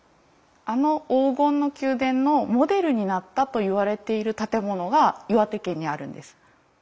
あの黄金の宮殿のモデルになったと言われている建物が岩手県にあるんです。